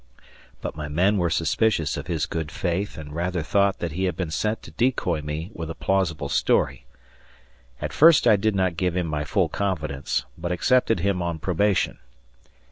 But my men were suspicious of his good faith and rather thought that he had been sent to decoy me with a plausible story. At first I did not give him my full confidence but accepted him on probation.